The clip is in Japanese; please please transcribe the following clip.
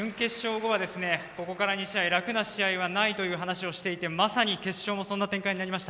後はここから２試合楽な試合はないという話をしていて、まさに決勝もそんな展開になりました。